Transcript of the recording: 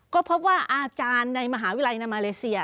ก็พบว่าอาจารย์ในมหาวิทยาลัยนามาเลเซีย